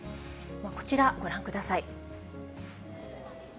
こちらご覧ください。